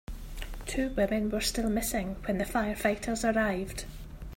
Two women were still missing when the firefighters arrived.